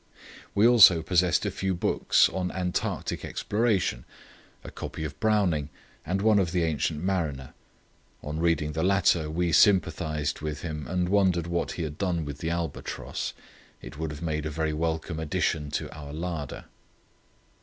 We also possessed a few books on Antarctic exploration, a copy of Browning and one of "The Ancient Mariner." On reading the latter, we sympathized with him and wondered what he had done with the albatross; it would have made a very welcome addition to our larder.